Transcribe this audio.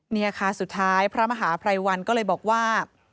นี่ค่ะสุดท้ายพระมหาภัยวันก็เลยบอกว่า